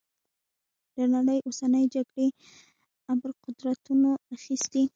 د نړۍ اوسنۍ جګړې ابرقدرتونو اخیستي.